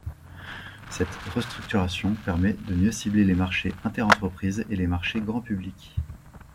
Cette restructuration permet de mieux cibler les marchés inter-entreprises et les marchés grand public.